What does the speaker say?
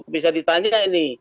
bisa ditanya ini